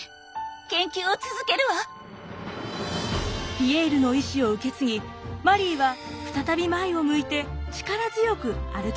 ピエールの意志を受け継ぎマリーは再び前を向いて力強く歩き始めます。